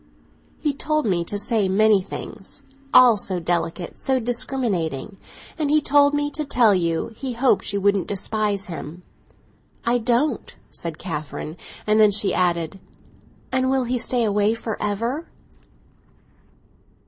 "He told me to say many things—all so delicate, so discriminating. And he told me to tell you he hoped you wouldn't despise him." "I don't," said Catherine. And then she added: "And will he stay away for ever?"